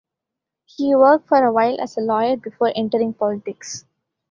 He worked for a while as a lawyer before entering politics.